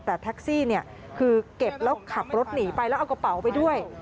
แต่แท็กซี่เนี่ยคือเก็บแล้วขับรถหนีไปแล้วเอากระเป๋าไปด้วย